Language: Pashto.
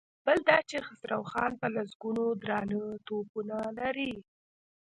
بل دا چې خسرو خان په لسګونو درانه توپونه لري.